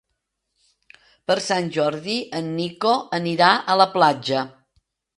Per Sant Jordi en Nico anirà a la platja.